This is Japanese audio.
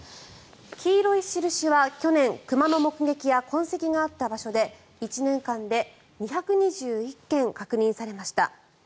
黄色い印は去年熊の目撃や痕跡があった場所で１年間で２２１件確認されました。